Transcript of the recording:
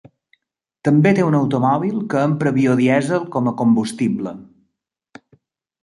També té un automòbil que empra biodièsel com a combustible.